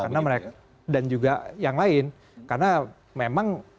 karena mereka dan juga yang lain karena memang ya